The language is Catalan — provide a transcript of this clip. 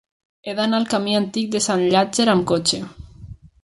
He d'anar al camí Antic de Sant Llàtzer amb cotxe.